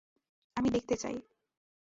আমি দেখতে চাই।